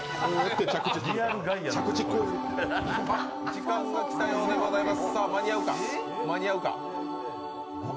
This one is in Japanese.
時間が来たようでございます。